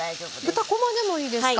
豚こまでもいいですか。